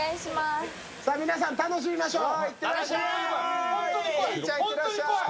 さあ皆さん楽しみましょう。